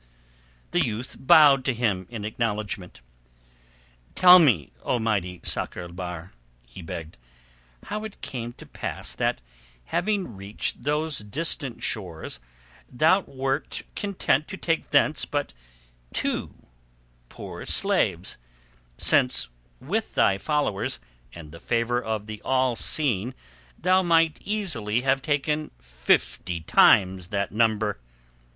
The youth bowed to him in acknowledgment. "Tell me, O mighty Sakr el Bahr," he begged, "how it came to pass that having reached those distant shores thou wert content to take thence but two poor slaves, since with thy followers and the favour of the All seeing thou might easily have taken fifty times that number."